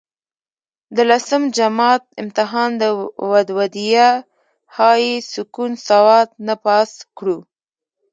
د لسم جمات امتحان د ودوديه هائي سکول سوات نه پاس کړو